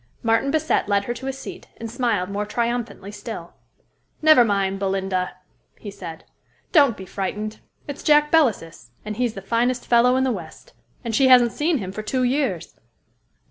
Martin Bassett led her to a seat, and smiled more triumphantly still. "Never mind, Belinda," he said. "Don't be frightened. It's Jack Belasys, and he's the finest fellow in the West. And she hasn't seen him for two years."